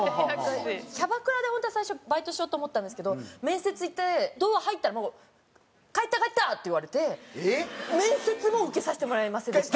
キャバクラで本当は最初バイトしようと思ったんですけど面接行ってドア入ったらもう「帰った帰った！」って言われて面接も受けさせてもらえませんでした。